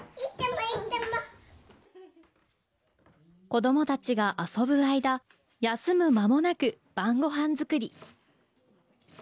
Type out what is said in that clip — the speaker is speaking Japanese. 子どもたちが遊ぶ間休む間もなく晩ご飯作り。